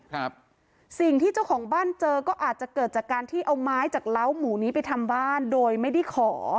ครับสิ่งที่เจ้าของบ้านเจอก็อาจจะเกิดจากการที่เอาไม้จากเล้าหมูนี้ไปทำบ้านโดยไม่ได้ขอ